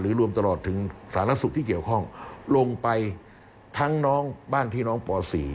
หรือรวมตลอดถึงฐานักศึกษ์ที่เกี่ยวข้องลงไปทั้งน้องบ้านที่น้องป๔